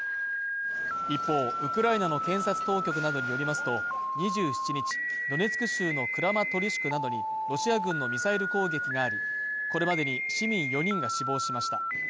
一方、ウクライナの検察当局などによりますと２７日ドネツク州のクラマトルシクなどにロシア軍のミサイル攻撃があり、これまでに市民４人が死亡しました。